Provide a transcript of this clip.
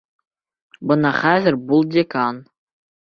Бына хәҙер бул декан!